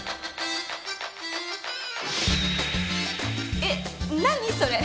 えっ何それ？